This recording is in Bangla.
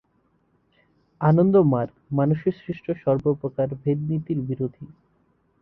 আনন্দমার্গ মনুষ্যসৃষ্ট সর্বপ্রকার ভেদনীতির বিরোধী।